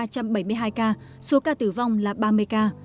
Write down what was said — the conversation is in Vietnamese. số ca còn đang điều trị là ba trăm bảy mươi hai ca số ca tử vong là ba mươi ca